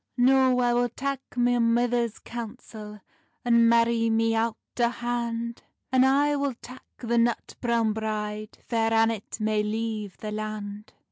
"No, I will tak my mither's counsel, And marrie me owt o hand; And I will tak the nut browne bride, Fair Annet may leive the land."